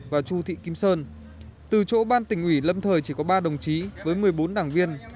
và chu thị kim sơn từ chỗ ban tỉnh ủy lâm thời chỉ có ba đồng chí với một mươi bốn đảng viên